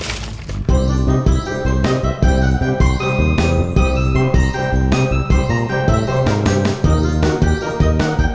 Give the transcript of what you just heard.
sebelum kita mulai